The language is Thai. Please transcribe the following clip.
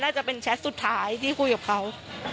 น่าจะเป็นแชทสุดท้ายที่คุยกับเขา